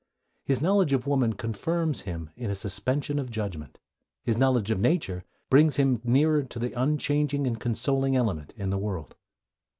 His knowledge of woman confirms him in a suspension of judgment; his knowledge of nature brings him nearer to the unchanging and consoling element in the world.